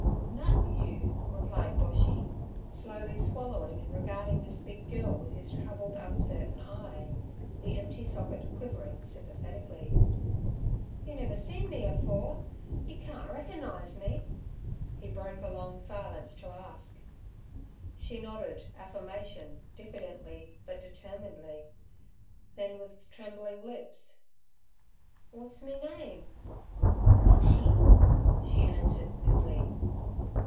'Nut you' replied Boshy, slowly swallowing, and regarding this big girl with his troubled, uncertain eye, the empty socket quivering sympathetically. 'You never see me afore? Yer carn't reckernise me?' he broke a long silence to ask. She nodded affirmation diffidently but determinedly. Then, with trembling lips, 'Wat's me name?' 'Boshy' she answered glibly.